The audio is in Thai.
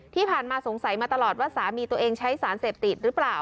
ที่ผ่านมาสงสัยมาตลอดว่าสามีตัวเองใช้สารเสพติดหรือเปล่า